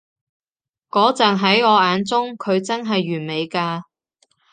嗰陣喺我眼中，佢真係完美㗎